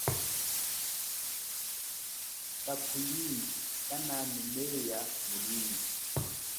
Kakhulimba kananumeya mulwiji.